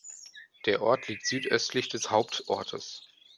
Der Ort liegt südöstlich des Hauptortes.